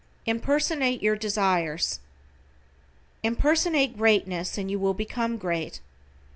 =IMPERSONATE YOUR DESIRES:= Impersonate greatness and you will become great.